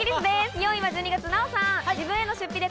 ４位は１２月ナヲさん。